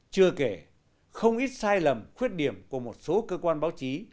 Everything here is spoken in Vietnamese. chưa kể không ít sai lầm khuyết điểm của một số cơ quan báo chí